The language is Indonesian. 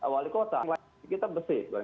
wali kota kita bersih